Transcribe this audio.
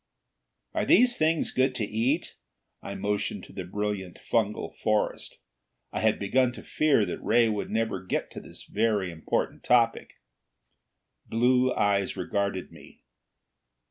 "Are these things goods to eat?" I motioned to the brilliant fungal forest. I had begun to fear that Ray would never get to this very important topic. Blue eyes regarded me.